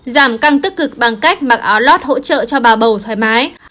giảm căng tức cực bằng cách mặc áo lót hỗ trợ cho bà bầu thoải mái